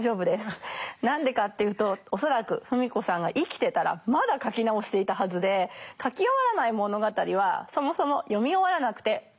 何でかっていうと恐らく芙美子さんが生きてたらまだ書き直していたはずで書き終わらない物語はそもそも読み終わらなくてＯＫです。